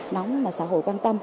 nóng mà xã hội quan tâm